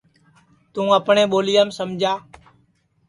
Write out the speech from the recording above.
توں اپٹؔے ٻولیام سمجا